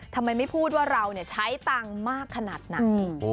ทำไมไม่พูดว่าเราใช้ตังค์มากขนาดไหน